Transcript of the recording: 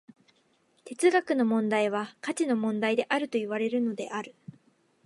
哲学の問題は価値の問題であるといわれるのである。